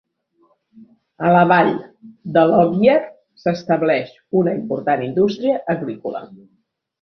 A la vall de Lockyer s'estableix una important indústria agrícola.